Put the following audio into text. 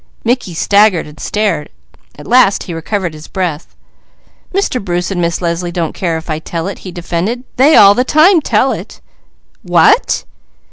_" Mickey staggered. At last he recovered his breath. "Mr. Bruce and Miss Leslie don't care if I tell," he defended. "They all the time tell it!" "_What?